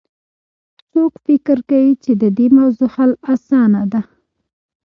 څوک فکر کوي چې د دې موضوع حل اسانه ده